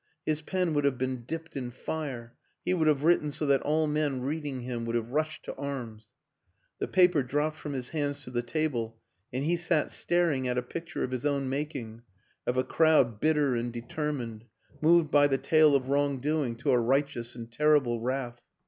His pen would have been dipped in fire; he would have written so that all men reading him would have rushed to arms. The paper dropped from his hands to the table and he sat staring at a picture of his own making of a crowd bitter and de termined, moved by the tale of wrongdoing to a righteous and terrible wrath.